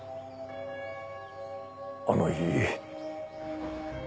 あの日。